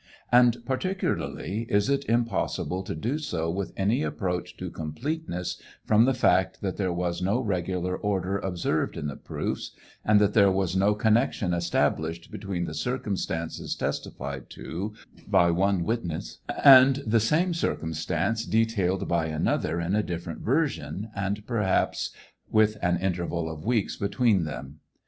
And particularly is it impossible to do so with any approach to completeness, from the fact that there was no regular order observed in the proofs, and that there was no connection established between the circumstances testified to by one witness and the same circumstances detailed by another in a different version, and perhaps with an interval of weeks between them.